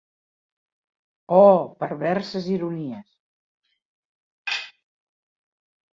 Oh, perverses ironies!